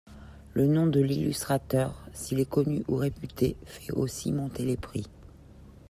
Le nom de l'illustrateur, s'il est connu ou réputé, fait aussi monter les prix.